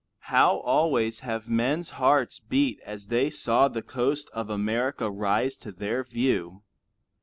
How always have men's hearts beat as they saw the coast of America rise to their view!